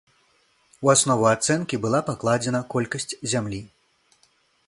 У аснову ацэнкі была пакладзена колькасць зямлі.